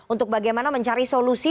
untuk bagaimana mencari solusi